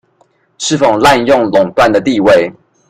是否濫用壟斷的地位